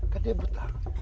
kan dia buta